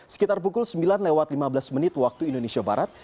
sekitar pukul sembilan lewat lima belas menit waktu indonesia barat